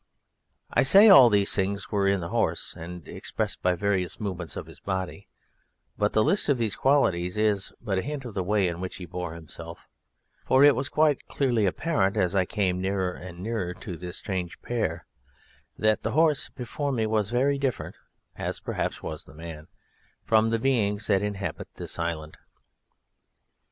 I say all these things were in the horse, and expressed by various movements of his body, but the list of these qualities is but a hint of the way in which he bore himself; for it was quite clearly apparent as I came nearer and nearer to this strange pair that the horse before me was very different (as perhaps was the man) from the beings that inhabit this island.